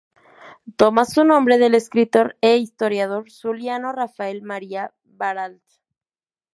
Toma su nombre del escritor e historiador zuliano Rafael María Baralt.